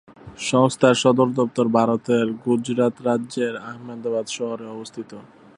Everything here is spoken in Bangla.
সংস্থার সদর দফতর ভারতের গুজরাত রাজ্যের আহমেদাবাদ শহরে অবস্থিত।